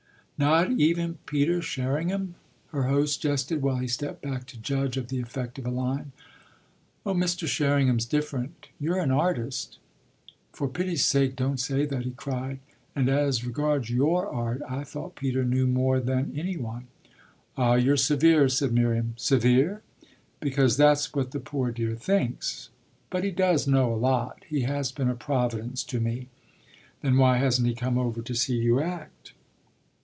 "Not even Peter Sherringham?" her host jested while he stepped back to judge of the effect of a line. "Oh Mr. Sherringham's different. You're an artist." "For pity's sake don't say that!" he cried. "And as regards your art I thought Peter knew more than any one." "Ah you're severe," said Miriam. "Severe ?" "Because that's what the poor dear thinks. But he does know a lot he has been a providence to me." "Then why hasn't he come over to see you act?"